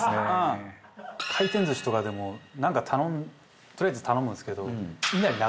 回転寿司とかでもなんかとりあえず頼むんですけど。